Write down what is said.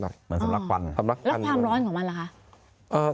เหมือนสำลักษณ์ควันแล้วความร้อนของมันล่ะคะความร้อนของมันล่ะคะ